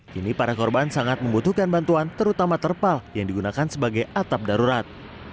kawan sangat membutuhkan bantuan terutama terpal yang digunakan sebagai atap darurat